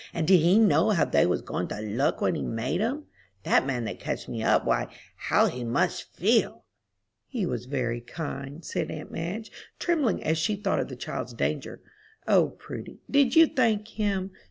"And did he know how they was goin' to look when he made 'em? That man that catched me up, why, how he must feel!" "He was very kind," said aunt Madge, trembling as she thought of the child's danger. "O Prudy, did you thank him?"